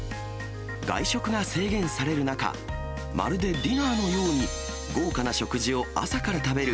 外食が制限される中、まるでディナーのように豪華な食事を朝から食べる、